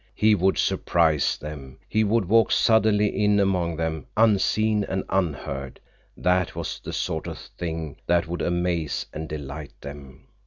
He would surprise them! He would walk suddenly in among them, unseen and unheard. That was the sort of thing that would amaze and delight them.